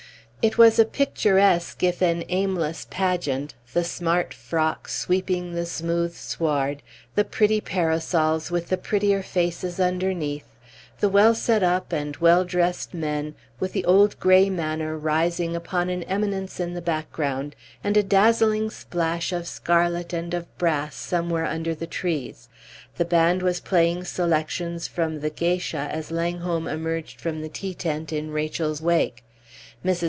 It was a picturesque if an aimless pageant, the smart frocks sweeping the smooth sward, the pretty parasols with the prettier faces underneath, the well set up and well dressed men, with the old gray manor rising upon an eminence in the background, and a dazzling splash of scarlet and of brass somewhere under the trees. The band was playing selections from The Geisha as Langholm emerged from the tea tent in Rachel's wake. Mrs.